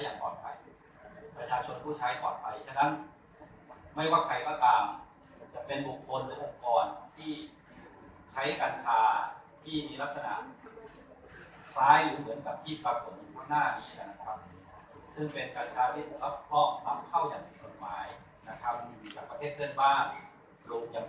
ได้อย่างต่อไปประชาชนผู้ใช้ต่อไปฉะนั้นไม่ว่าใครก็ตามจะเป็นบุคคลหรืออันกรณ์ที่ใช้กรรชาที่มีลักษณะคล้ายอยู่เหมือนกับที่ประสงค์น่ามีกันครับซึ่งเป็นกรรชาที่รับพร่อมความเข้าอย่างส่วนหมายนะครับอยู่กับประเทศเพื่อนบ้านหรือยัง